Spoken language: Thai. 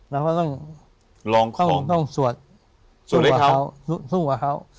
เราก็ต้องต้องสวดสู้กับเขา